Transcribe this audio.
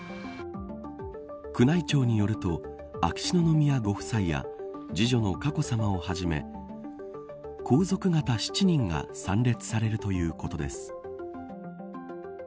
宮内庁によると秋篠宮ご夫妻や次女の佳子さまをはじめ皇族方７人が参列されるということです。